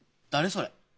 それ。